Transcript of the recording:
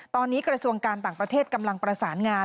ตอนนี้กระทรวงการต่างประเทศกำลังประสานงาน